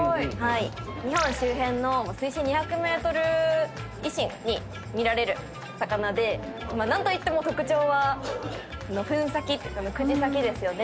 日本周辺の水深２００ｍ以深に見られる魚で何といっても特徴は吻先口先ですよね。